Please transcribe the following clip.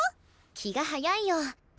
気が早いよ。